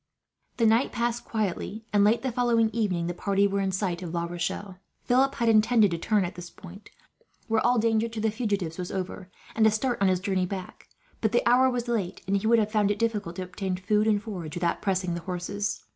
The night passed quietly and, late the following evening, the party were in sight of La Rochelle. Philip had intended to turn at this point, where all danger to the fugitives was over, and to start on his journey back. But the hour was late, and he would have found it difficult to obtain food and forage, without pressing the horses.